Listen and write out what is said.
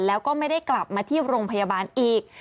แล้วก็ไม่ได้กลับมาที่โรงพยาบาลอีก